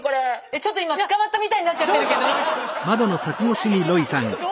ちょっと今捕まったみたいになっちゃってるけどロイ君。